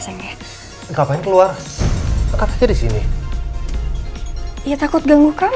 sampai jumpa di video selanjutnya